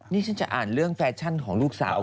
นี่ฉันจะอ่านเรื่องแฟชั่นของลูกสาว